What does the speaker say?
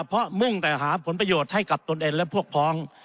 เพราะมุ่งแต่หาผลประโยชน์ให้กับตนเองและพวกพ้อง